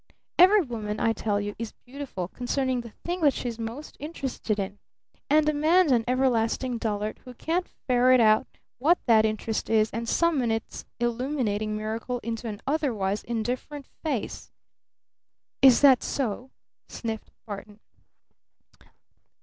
Every woman, I tell you, is beautiful concerning the thing that she's most interested in! And a man's an everlasting dullard who can't ferret out what that interest is and summon its illuminating miracle into an otherwise indifferent face " "Is that so?" sniffed Barton.